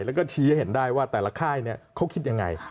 แล้วก็ชี้ให้เห็นได้ว่าแต่ละค่ายเขาคิดยังไง